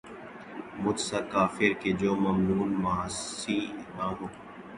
مجھ سا کافر کہ جو ممنون معاصی نہ ہوا